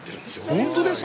本当ですか。